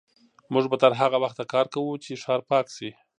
موږ به تر هغه وخته کار کوو چې ښار پاک شي.